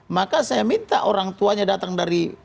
maka saya minta orang tuanya datang dari